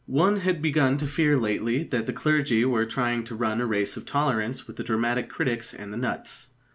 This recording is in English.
One had begun to fear lately that the clergy were trying to run a race of tolerance with the dramatic critics and the nuts.